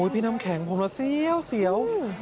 พี่น้ำแข็งผมละเสียว